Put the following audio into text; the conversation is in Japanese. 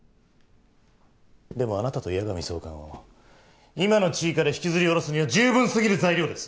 でもあなたと矢上総監を今の地位から引きずり下ろすには十分すぎる材料です。